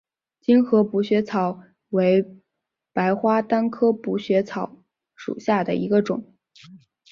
精河补血草为白花丹科补血草属下的一个种。